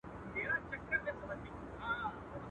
پر زړه لښکري نه کېږي.